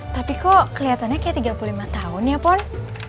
tapi kok kelihatannya kayak tiga puluh lima tahun ya pon